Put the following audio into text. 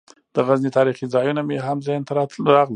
د غزني تاریخي ځایونه مې هم ذهن ته راغلل.